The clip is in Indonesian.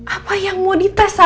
apa yang mau dites sa